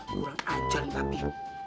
kurang ajar nih abi